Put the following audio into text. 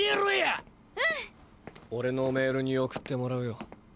俺のメールに送ってもらうよ。